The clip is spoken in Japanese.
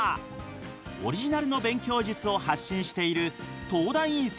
オリジナルの勉強術を発信している東大院